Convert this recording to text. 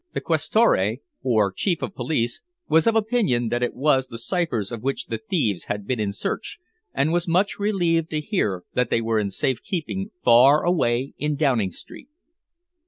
The Questore, or chief of police, was of opinion that it was the ciphers of which the thieves had been in search, and was much relieved to hear that they were in safekeeping far away in Downing Street.